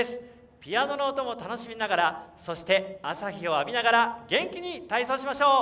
ピアノの音も楽しみながらそして、朝日を浴びながら元気に体操しましょう。